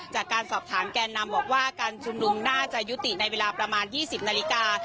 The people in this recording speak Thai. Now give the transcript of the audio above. จากการสอบถามแก่นำบอกว่าการชุมนุมน่าจะยุติในเวลาประมาณ๒๐นาฬิกา